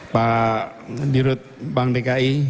pak dirut bang dki